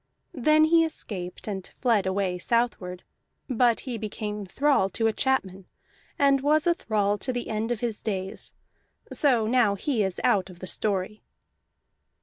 Then he escaped, and fled away southward; but he became thrall to a chapman, and was a thrall to the end of his days. So now he is out of the story.